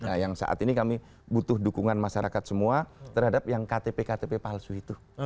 nah yang saat ini kami butuh dukungan masyarakat semua terhadap yang ktp ktp palsu itu